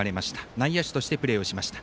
内野手としてプレーをしました。